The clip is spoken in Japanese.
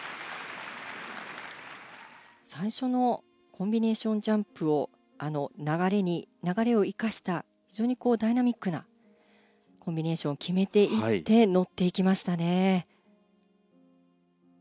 最初のコンビネーションジャンプを流れを生かした非常にダイナミックなコンビネーションを決めていって乗っていきましたね。